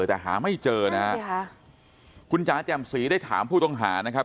แต่หาไม่เจอนะฮะคุณจ๋าแจ่มสีได้ถามผู้ต้องหานะครับ